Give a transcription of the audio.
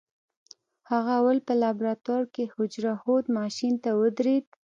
هغه اول په لابراتوار کې حجره ښود ماشين ته ودرېد.